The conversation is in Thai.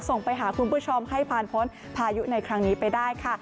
ส่งไปหาคุณผู้ชมให้ผ่านพ้นพายุในครั้งนี้ไปได้ค่ะ